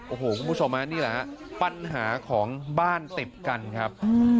โอ้โหคุณผู้ชมนี่แหละฮะปัญหาของบ้านติดกันครับ